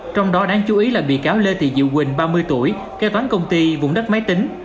trong đó đáng chú ý là bị cáo lê thị diệu quỳnh ba mươi tuổi kế toán công ty vùng đất máy tính